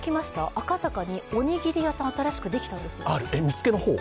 赤坂におにぎり屋さん、新たにできたんです。